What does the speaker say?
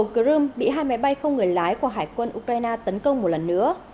krum bị hai máy bay không người lái của hải quân ukraine tấn công một lần nữa